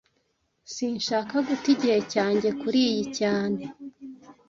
Sinshaka guta igihe cyanjye kuriyi cyane